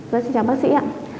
rất chào bác sĩ ạ